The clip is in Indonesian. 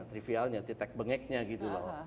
trivialnya titik bengeknya gitu loh